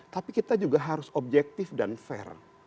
tapi kita juga harus objektif dan fair